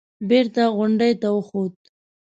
بېرته غونډۍ ته وخوت.